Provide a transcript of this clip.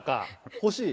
欲しい？